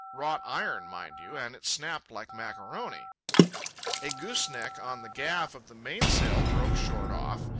Wrought iron, mind you, and it snapped like macaroni. A gooseneck on the gaff of the mainsail broke short off.